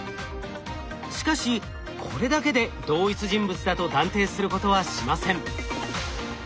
しかしこれだけで同一人物だと断定することはしません。